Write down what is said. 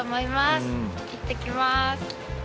いってきます。